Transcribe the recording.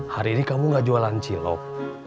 hari ini kamu gak jualan cilok